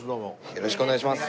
よろしくお願いします。